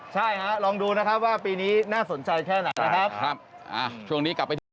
ใช่ลองดูว่าปีนี้น่าสนใจแค่ไหนนะครับ